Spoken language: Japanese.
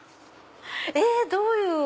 どういう。